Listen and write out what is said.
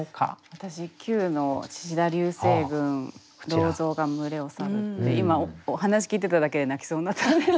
私９の「獅子座流星群老象が群れを去る」って今話聞いてただけで泣きそうになったんですけど。